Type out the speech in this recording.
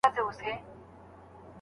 فقهاء دا حکم رد نه کوي.